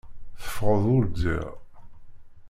Teffɣeḍ ur ddiɣ.